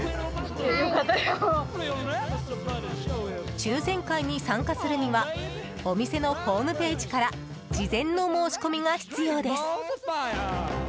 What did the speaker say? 抽選会に参加するにはお店のホームページから事前の申し込みが必要です。